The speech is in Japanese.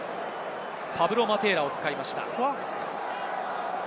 パブロ・マテーラを使いました。